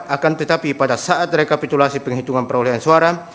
akan tetapi pada saat rekapitulasi penghitungan perolehan suara